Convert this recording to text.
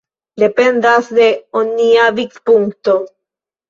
Dependas de onia vidpunkto.